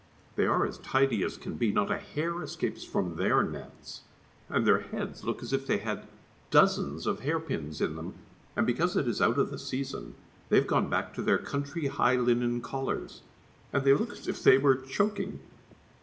They are as tidy as can be, not a hair escapes from their nets! and their heads look as if they had dozens of hairpins in them, and because it is out of the season they have gone back to their country high linen collars, and they look as if they were choking.